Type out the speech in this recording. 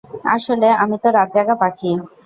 আসলে, আমি তো রাতজাগা পাখি।